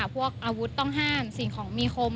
พวกอาวุธต้องห้ามสิ่งของมีคม